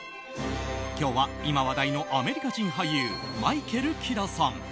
今日は、今話題のアメリカ人俳優マイケル・キダさん。